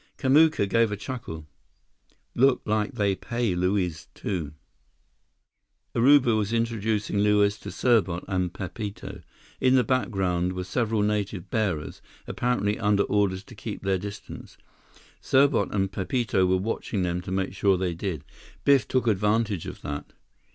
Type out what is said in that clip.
Kamuka gave a chuckle. "Look like they pay Luiz, too." Urubu was introducing Luiz to Serbot and Pepito. In the background were several native bearers, apparently under orders to keep their distance. Serbot and Pepito were watching them to make sure they did. Biff took advantage of that.